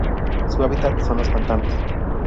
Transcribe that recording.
Su hábitat son los pantanos.